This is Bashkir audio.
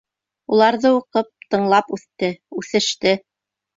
Уларҙы уҡып, тыңлап үҫте, үҫеште.